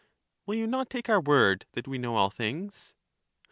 Will you not take our word that we know all things?